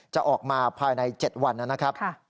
จะออกมาภายใน๗วันนะครับ